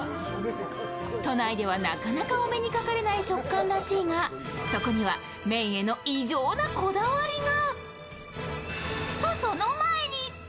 都内ではなかなかお目にかかれない食感らしいが、そこには、麺への異常なこだわりが。